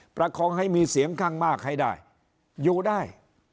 ประคองให้มีเสียงข้างมากให้ได้อยู่ได้